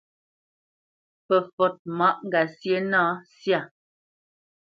Fǝfot máʼ ŋgasyé na syâ.